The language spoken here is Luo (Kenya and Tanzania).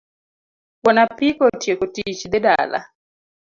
Wuon apiko otieko tich dhi dala.